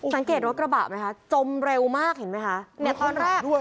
นังเก่นรถกระบะไหมคะจมเร็วมากเห็นไหมคะ